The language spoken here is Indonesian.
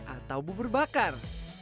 atau bubur bakar